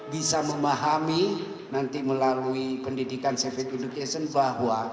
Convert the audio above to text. bisa memahami nanti melalui pendidikan civic education bahwa